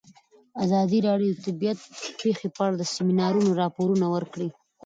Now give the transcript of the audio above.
ازادي راډیو د طبیعي پېښې په اړه د سیمینارونو راپورونه ورکړي.